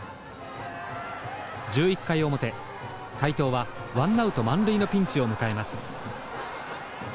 １１回表斎藤はワンアウト満塁のピンチを迎えます。